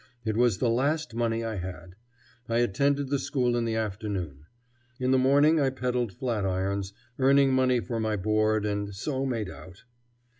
It was the last money I had. I attended the school in the afternoon. In the morning I peddled flat irons, earning money for my board, and so made out.